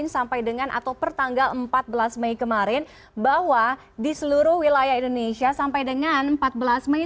sampai dengan atau pertanggal empat belas mei kemarin bahwa di seluruh wilayah indonesia sampai dengan empat belas mei